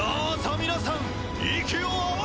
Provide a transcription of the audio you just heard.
皆さん息を合わせて！